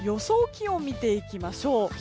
気温を見ていきましょう。